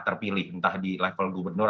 terpilih entah di level gubernur